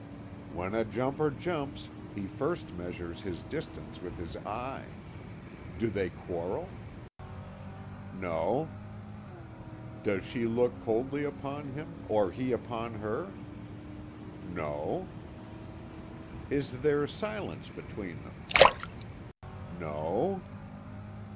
"When a jumper jumps, he first measures his distance with his eye. Do they quarrel?" "No." "Does she look coldly upon him, or he upon her?" "No." "Is there silence between them?" "No."